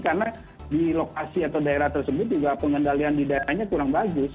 karena di lokasi atau daerah tersebut juga pengendalian di daerahnya kurang bagus